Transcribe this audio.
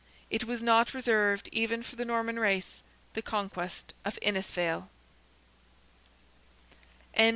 It was not reserved even for the Norman race—the conquest of Innisfail! CHAPTER XII.